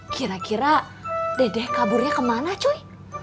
kira kira dedete kaburnya kemana cuy